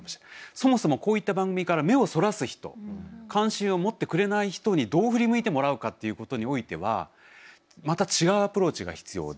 そもそもこういった番組から目をそらす人関心を持ってくれない人にどう振り向いてもらうかっていうことにおいてはまた違うアプローチが必要で。